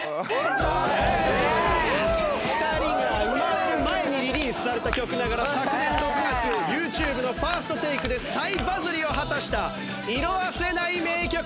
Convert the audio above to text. ２人が生まれる前にリリースされた曲ながら昨年６月ＹｏｕＴｕｂｅの「ＦＩＲＳＴＴＡＫＥ」で再バズりを果たした色あせない名曲。